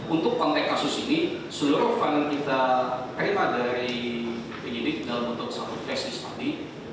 untuk konteks kasus ini seluruh frame kita terima dari begini dalam bentuk satu class g study